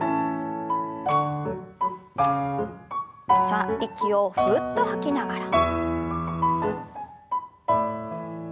さあ息をふうっと吐きながら。